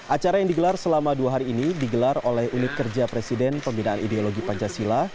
acara yang digelar selama dua hari ini digelar oleh unit kerja presiden pembinaan ideologi pancasila